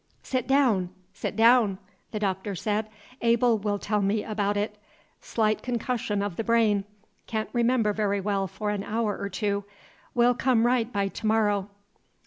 "Sit down, sit down," the Doctor said. "Abel will tell me about it. Slight concussion of the brain. Can't remember very well for an hour or two, will come right by to morrow."